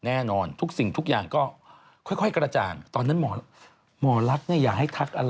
แน่นอนทุกสิ่งทุกอย่างก็ค่อยกระจ่างตอนนั้นหมอลักษณ์เนี่ยอย่าให้ทักอะไร